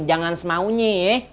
jangan semaunya ya